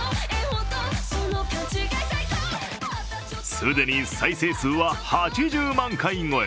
既に再生数は８０万回超え。